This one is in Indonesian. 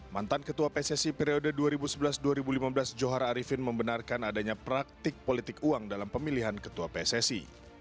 mantan ketua pssi periode dua ribu sebelas dua ribu lima belas johar arifin membenarkan adanya praktik politik uang dalam pemilihan ketua pssi